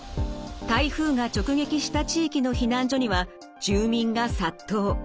台風が直撃した地域の避難所には住民が殺到。